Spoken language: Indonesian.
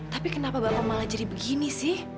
tapi kenapa bapak malah jadi begini sih